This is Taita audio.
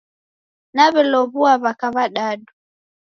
Naw'elow'ua w'aka w'adadu